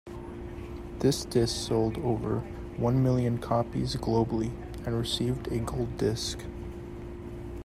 This disc sold over one million copies globally, and received a gold disc.